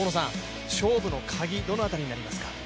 勝負のカギ、どの辺りになりますか？